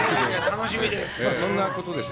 楽しみです。